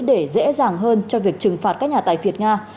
để dễ dàng hơn cho việc trừng phạt các nhà tài việt nga